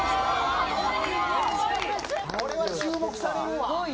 これは注目されるわ。